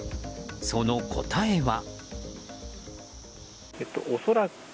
その答えは。